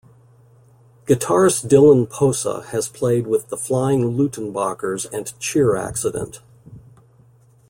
Guitarist Dylan Posa has played with The Flying Luttenbachers and Cheer-Accident.